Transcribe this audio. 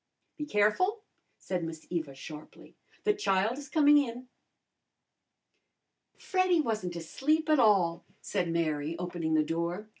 "Be careful!" said Miss Eva sharply. "The child is coming in." "Freddy wasn't asleep at all," said Mary, opening the door.